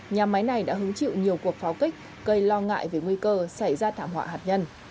nhà máy này đã hứng chịu nhiều cuộc pháo kích gây lo ngại về nguy cơ xảy ra thảm họa hạt nhân